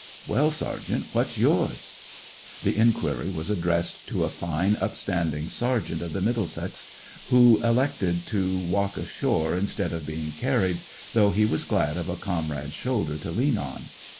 " Well, Sergeant, what's yours ?" The inqmry was addressed to a fine upstanding sergeant of the Middlesex, who elected to walk ashore instead of being carried, though he was glad of a comrade's shoulder to lean on.